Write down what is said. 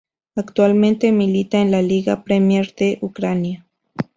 Actualmente milita en la Liga Premier de Ucrania.